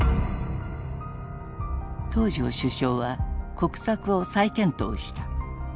東條首相は国策を再検討した。